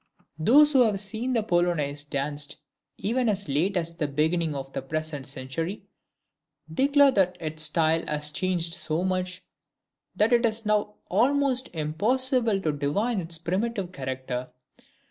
Those who have seen the Polonaise danced even as late as the beginning of the present century, declare that its style has changed so much, that it is now almost impossible to divine its primitive character.